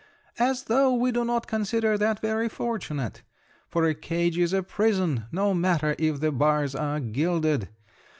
As though we do not consider that very fortunate! for a cage is a prison, no matter if the bars are gilded.